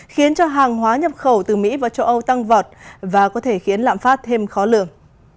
khiến cho hàng hóa nhập khẩu từ mỹ vào châu âu tăng vọt và có thể khiến lạm phát thêm khó lường